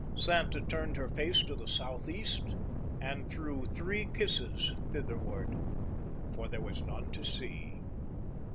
Santa turned her face to the southeast and threw three kisses thitherward; for there was none to see.